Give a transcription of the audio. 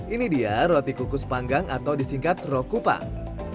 ini dia roti kukus panggang atau disingkat rokupang